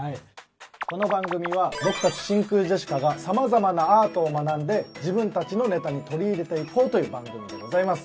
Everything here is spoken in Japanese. この番組は僕たち真空ジェシカが様々なアートを学んで自分たちのネタに取り入れていこうという番組でございます。